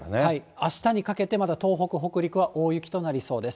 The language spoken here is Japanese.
あしたにかけて、まだ東北、北陸は大雪となりそうです。